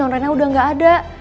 non rena udah nggak ada